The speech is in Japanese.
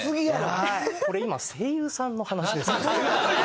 これ今声優さんの話ですからね。